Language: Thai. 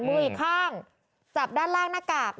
มืออีกข้างจับด้านล่างหน้ากาก